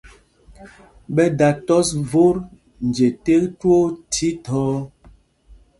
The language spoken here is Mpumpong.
Ɓɛ dā tɔs vot nje tēk twóó thíthɔɔ.